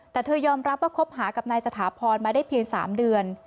แต่เธอยอมรับว่าคบหากับนายสถาพรมาได้เพียง๓เดือน